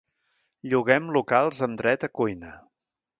Lloguem locals amb dret a cuina.